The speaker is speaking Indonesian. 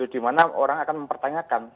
di mana orang akan mempertanyakan